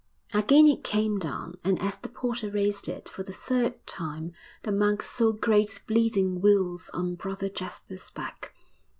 Again it came down, and as the porter raised it for the third time the monks saw great bleeding weals on Brother Jasper's back.